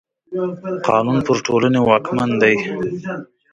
قانون پر ټولني واکمن دی.